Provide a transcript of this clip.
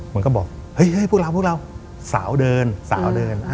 มันก็บอกเฮ้ยพวกเราพวกเราสาวเดินสาวเดิน